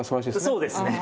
そうですね。